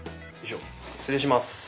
失礼します。